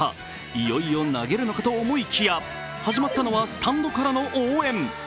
いよいよ投げるのかと思いきや始まったのはスタンドからの応援。